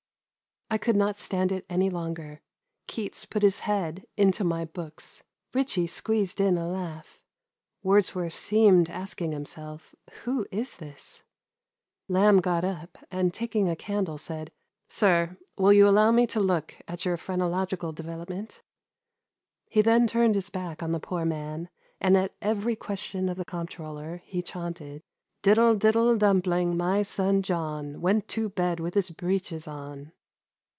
I could not stand it any longer. Keats put his head into my books. Ritchie squeezed in a laugh. Wordsworth seemed asking himself, '* Who is this ?'* Lamb got up, and taking a candle, said, " Sir, will you allow me to look at your phrenological development ?" He then turned his back on the poor man, and at every ques tion of the comptroller he chaunted '* Diddle diddle dumpling, my son John Went to bed with his breeches on."